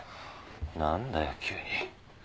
何だよ急に。